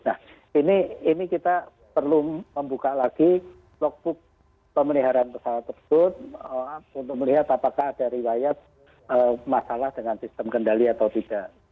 nah ini kita perlu membuka lagi logbook pemeliharaan pesawat tersebut untuk melihat apakah ada riwayat masalah dengan sistem kendali atau tidak